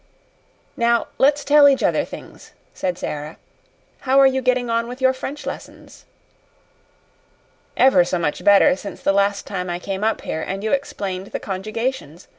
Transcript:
"Now let's tell each other things," said Sara. "How are you getting on with your French lessons?" "Ever so much better since the last time I came up here and you explained the conjugations.